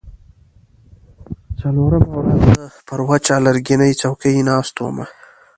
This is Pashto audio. څلورمه ورځ زه پر وچه لرګینۍ څوکۍ ناسته وم.